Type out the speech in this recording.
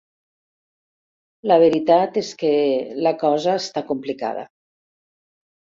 La veritat és que la cosa està complicada.